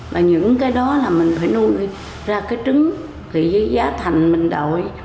và những cái đó là mình phải nuôi ra cái trứng thì giá thành mình đổi